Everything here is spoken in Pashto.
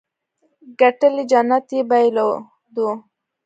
ګټلې جنت يې بايلودو.